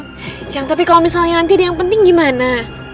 cang tapi kalau misalnya nanti dia yang penting gimana